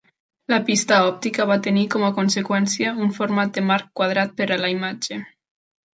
La pista òptica va tenir com a conseqüència un format de marc quadrat per a la imatge.